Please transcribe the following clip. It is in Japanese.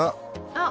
あっ！